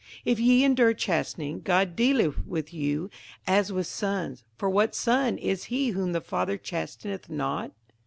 58:012:007 If ye endure chastening, God dealeth with you as with sons; for what son is he whom the father chasteneth not?